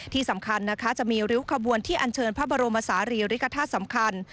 ที่สำคัญนะคะจะมีริ้วขบวนที่อันเชิญพระบรมศาลีริกฐาตุสำคัญ